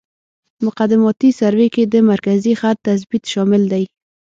مقدماتي سروې کې د مرکزي خط تثبیت شامل دی